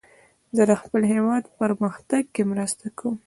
زه د خپل هیواد په پرمختګ کې مرسته کوم.